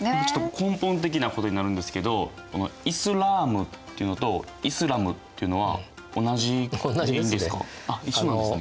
根本的なことになるんですけど「イスラーム」っていうのと「イスラム」っていうのは同じことでいいんですか？